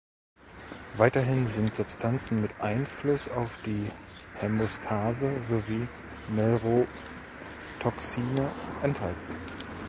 Weiterhin sind Substanzen mit Einfluss auf die Hämostase sowie Neurotoxine enthalten.